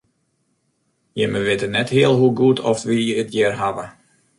Jimme witte net heal hoe goed oft wy it hjir hawwe.